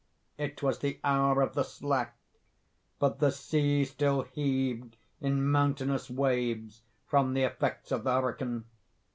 It was the hour of the slack—but the sea still heaved in mountainous waves from the effects of the hurricane.